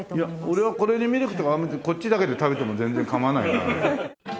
いや俺はこれにミルクこっちだけで食べても全然構わないなあ。